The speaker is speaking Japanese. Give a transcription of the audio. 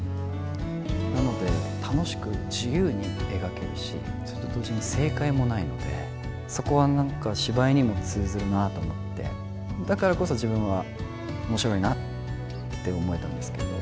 なので、楽しく自由に描けるし、それと同時に正解もないので、そこはなんか芝居にも通ずるなと思って、だからこそ、自分はおもしろいなって思えたんですけど。